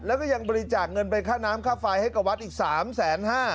แล้วก็ยังบริจาคเงินเป็นค่าน้ำค่าไฟล์ให้กว่าวัดอีก๓แสน๕